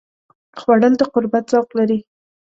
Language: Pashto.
خوړل د قربت ذوق لري